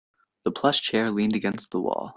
The plush chair leaned against the wall.